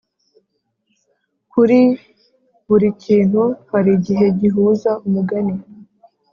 kuri buri kintu hari igihe gihuza umugani